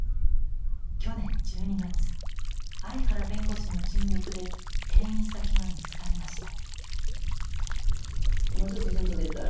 去年１２月相原弁護士の尽力で転院先が見つかりました。